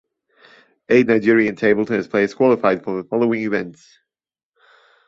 Eight Nigerian table tennis players qualified for the following events.